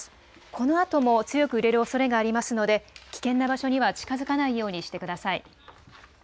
このあとも強く揺れるおそれがありますので危険な場所には近づかないようにしてください。